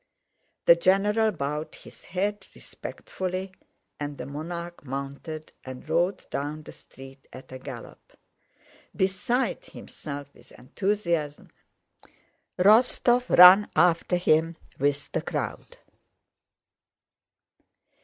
The general bowed his head respectfully, and the monarch mounted and rode down the street at a gallop. Beside himself with enthusiasm, Rostóv ran after him with the crowd.